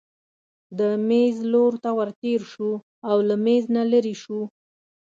د مېز لور ته ورتېر شو او له مېز نه لیرې شو.